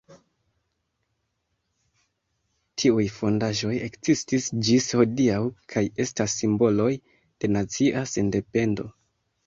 Tiuj fondaĵoj ekzistis ĝis hodiaŭ kaj estas simboloj de nacia sendependo.